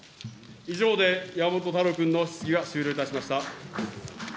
以上で山本太郎君の質疑は終了いたしました。